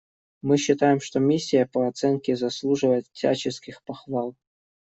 Мы считаем, что миссия по оценке заслуживает всяческих похвал.